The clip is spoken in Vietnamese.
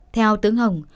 theo tướng hồng